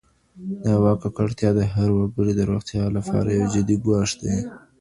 د هوا ککړتیا د هر وګړي د روغتیا لپاره یو جدي ګواښ دی.